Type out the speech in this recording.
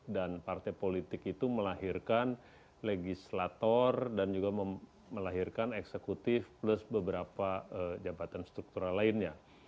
dan partai politik itu melahirkan legislator dan juga melahirkan eksekutif plus beberapa jabatan struktural lainnya